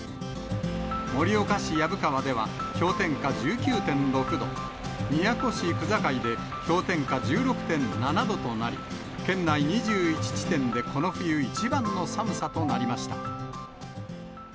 盛岡市薮川では氷点下１９．６度、宮古市区界で氷点下１６．７度となり、県内２１地点でこの冬一番の寒さとなりました。